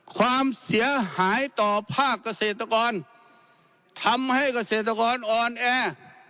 ความเสียหายต่อภาคเกษตรกรทำให้เกษตรกรอ่อนแอ